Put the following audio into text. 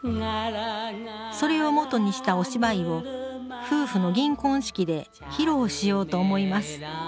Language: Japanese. それをもとにしたお芝居を夫婦の銀婚式で披露しようと思います。